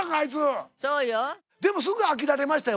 でもすぐ飽きられましたよ